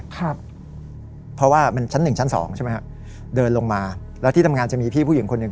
ครับเพราะว่ามันชั้นหนึ่งชั้นสองใช่ไหมฮะเดินลงมาแล้วที่ทำงานจะมีพี่ผู้หญิงคนหนึ่ง